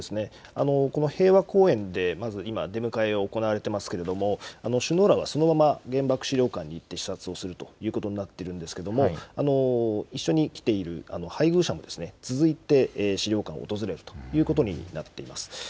この平和公園でまず今、出迎えを行われていますけれども、首脳らはそのまま原爆資料館に行って視察をするということになっているけれども、一緒に来ている配偶者も続いて、資料館を訪れるということになっています。